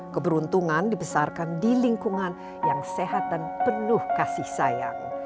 keberuntungan dibesarkan di lingkungan yang sehat dan penuh kasih sayang